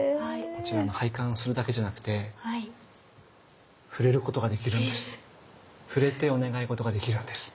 こちら拝観するだけじゃなくて触れることができるんです。